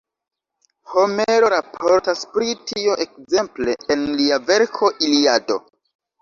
Homero raportas pri tio ekzemple en lia verko Iliado.